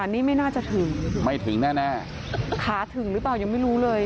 นี่ไม่น่าจะถึงไม่ถึงแน่ขาถึงหรือเปล่ายังไม่รู้เลย